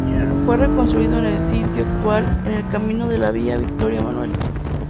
Fue reconstruido en el sitio actual en el camino de la Vía Vittorio Emanuel.